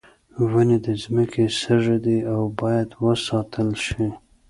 ونې د ځمکې سږی دي او باید وساتل شي.